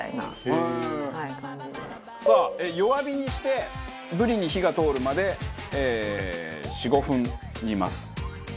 へえー！さあ弱火にしてブリに火が通るまで４５分煮ます。